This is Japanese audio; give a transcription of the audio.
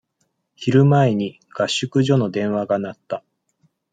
昼前に、合宿所の電話が鳴った。